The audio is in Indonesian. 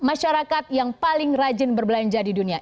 masyarakat yang paling rajin berbelanja di dunia